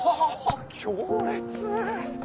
強烈！